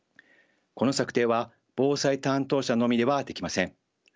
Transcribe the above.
この策定は防災担当者のみではできません。